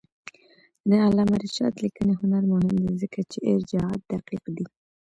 د علامه رشاد لیکنی هنر مهم دی ځکه چې ارجاعات دقیق دي.